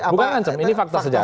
bukan ancam ini fakta sejarah